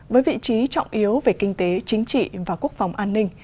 với vị trí trọng yếu về kinh tế chính trị và quốc phòng an ninh